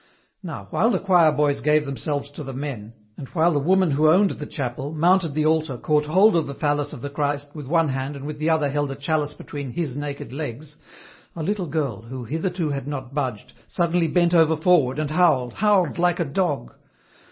Now, while the choir boys gave themselves to the men, and while the woman who owned the chapel, mounted the altar caught hold of the phallus of the Christ with one hand and with the other held a chalice between "His" naked legs, a little girl, who hitherto had not budged, suddenly bent over forward and howled, howled like a dog.